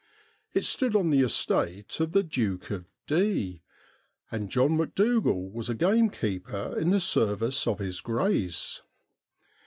It stood on the estate of the Duke of D , and John Macdougal was a gamekeeper in the service of his Grace.